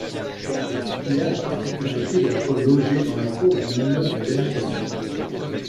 Il a la particularité d'être logée dans la cour d'un immeuble d'habitation.